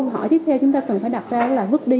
hỏi tiếp theo chúng ta cần phải đặt ra là vứt đi